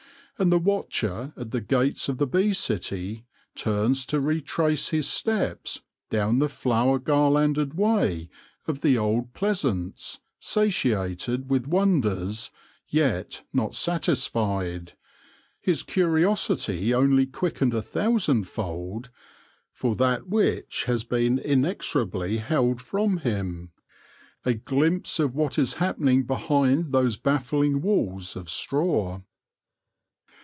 And the watcher at the gates of the bee city turns to retrace his steps down the flower garlanded way of the old pleasance, satiated with wonders, yet not satisfied, his curiosity only quickened a thousandfold for that which has been inexorably held from him, a glimpse of what is happening behind those baffling walls of straw.